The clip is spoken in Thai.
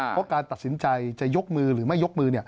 เพราะการตัดสินใจจะยกมือหรือไม่ยกมือ